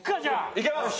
いけます！